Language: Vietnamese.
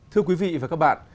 thưa quý vị và các bạn